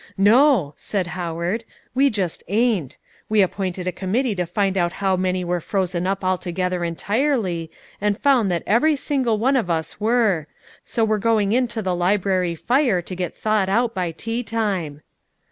"No," said Howard, "we just ain't. We appointed a committee to find out how many were frozen up altogether entirely, and found that every single one of us were; so we're going in to the library fire to get thawed out by tea time."